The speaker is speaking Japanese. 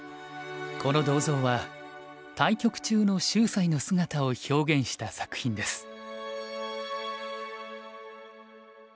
この銅像は対局中の秀哉の姿を表現した作品です。